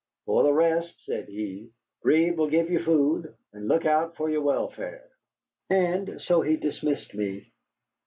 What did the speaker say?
"For the rest," said he, "Breed will give you food, and look out for your welfare." And so he dismissed me.